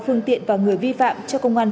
phương tiện và người vi phạm cho công an